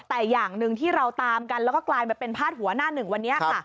แต่อย่างหนึ่งที่เราตามกันแล้วก็กลายมาเป็นพาดหัวหน้าหนึ่งวันนี้ค่ะ